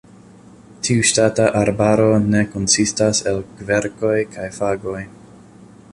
Tiu ŝtata arbaro de konsistas el kverkoj kaj fagoj.